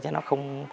chứ nó không